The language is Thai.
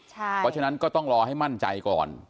เพราะฉะนั้นก็ต้องรอให้มั่นใจก่อน